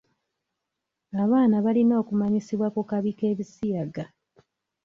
Abaana alina okumanyisibwa ku kabi k'ebisiyaga.